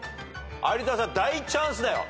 有田さん大チャンスだよ。